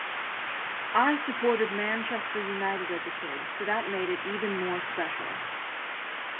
I supported Manchester United as a kid so that made it even more special.